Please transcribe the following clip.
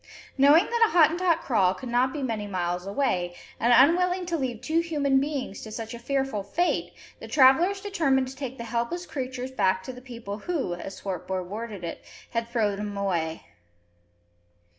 Knowing that a Hottentot kraal could not be many miles away, and unwilling to leave two human beings to such a fearful fate, the travellers determined to take the helpless creatures back to the people who, as Swartboy worded it, had "throwed 'um away."